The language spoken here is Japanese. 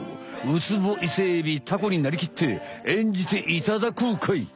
ウツボイセエビタコになりきって演じていただこうかい。